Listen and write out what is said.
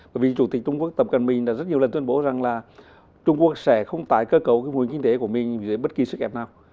bởi vì chủ tịch trung quốc tập cần minh đã rất nhiều lần tuyên bố rằng là trung quốc sẽ không tài cơ cấu cái nguồn kinh tế của mình dưới bất kỳ sức ép nào